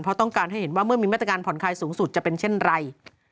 เพราะต้องการให้เห็นว่าเมื่อมีมาตรการผ่อนคลายสูงสุดจะเป็นเช่นไร